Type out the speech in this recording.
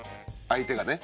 相手がね」